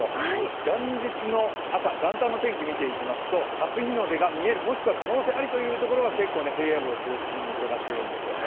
元日の朝、元旦の天気を見ていきますと、初日の出が見える、もしくは可能性ありというところは平野部を中心に広がっているんですね。